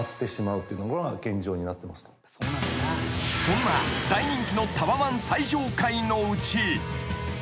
［そんな大人気のタワマン最上階のうち］